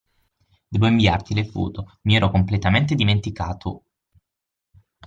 Devo inviarti le foto, mi ero completamente dimenticato.